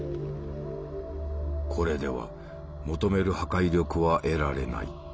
これでは求める破壊力は得られない。